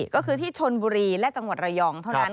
ก็คือที่ชนบุรีและจังหวัดระยองเท่านั้น